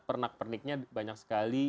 pernak perniknya banyak sekali